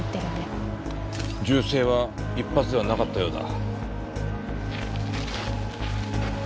銃声は１発ではなかったようだ。